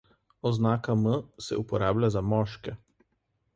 Oznaka M se uporablja za moške.